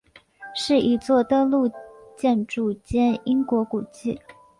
是一座登录建筑兼英国古迹。